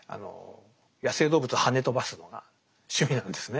野生動物をはね飛ばすのが趣味なんですね。